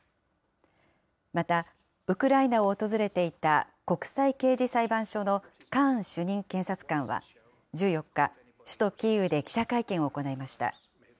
また、ウクライナを訪れていた国際刑事裁判所のカーン主任検察官は１４日、首都キーウで記者会見を行いました。